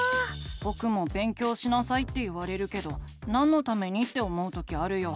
ぼくも「勉強しなさい」って言われるけどなんのためにって思う時あるよ。